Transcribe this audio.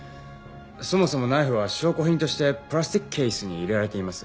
そもそもナイフは証拠品としてｐｌａｓｔｉｃｃａｓｅに入れられています。